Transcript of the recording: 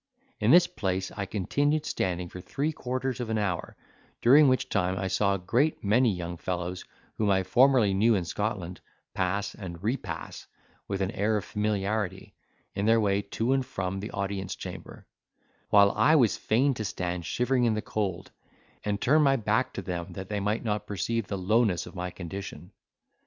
In this place I continued standing for three quarters of an hour, during which time I saw a great many young fellows whom I formerly knew in Scotland pass and repass, with an air of familiarity, in their way to and from the audience chamber; while I was fain to stand shivering in the cold, and turn my back to them that they might not perceive the lowness of my condition.